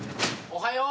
おはよう。